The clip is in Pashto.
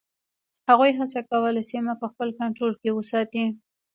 هغوی هڅه کوله سیمه په خپل کنټرول کې وساتي.